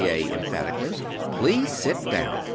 A. emphatically. "Please sit down.